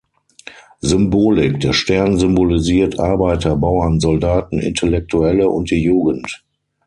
Symbolik: Der Stern symbolisiert Arbeiter, Bauern, Soldaten, Intellektuelle und die Jugend.